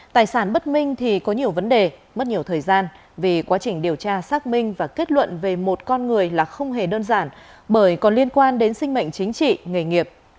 tài sản bất minh thì có nhiều vấn đề mất nhiều thời gian vì quá trình điều tra xác minh và kết luận về một con người là không hề đơn giản bởi còn liên quan đến sinh mệnh chính trị nghề nghiệp